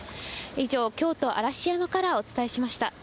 以上、京都・嵐山からお伝えしました。